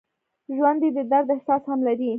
ژوندي د درد احساس هم لري